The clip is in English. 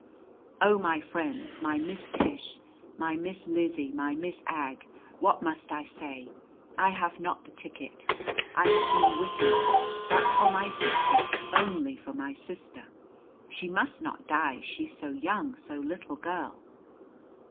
"Oh, my friends, my Miss Tish, my Miss Liz, my Miss Ag, what must I say? I have not the ticket! I have been wikkid but for my sister only for my sister! She must not die she so young, so little girl!"